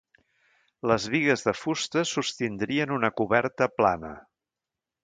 Les bigues de fusta sostindrien una coberta plana.